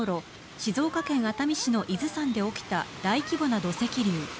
静岡県熱海市の伊豆山で起きた大規模な土砂流。